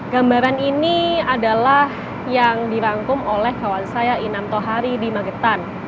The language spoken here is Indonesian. gambaran ini adalah yang dirangkum oleh kawan saya inam tohari di magetan